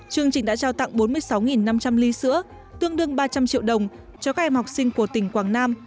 chương trình đã trao tặng bốn mươi sáu năm trăm linh ly sữa tương đương ba trăm linh triệu đồng cho các em học sinh của tỉnh quảng nam